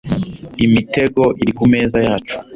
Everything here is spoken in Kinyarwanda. imitego iri kumeza yacu